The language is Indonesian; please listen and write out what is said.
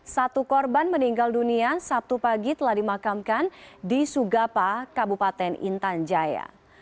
satu korban meninggal dunia sabtu pagi telah dimakamkan di sugapa kabupaten intan jaya